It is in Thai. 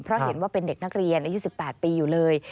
เพราะเห็นว่าเป็นเด็กนักเรียนอายุ๑๘ปีอยู่เลย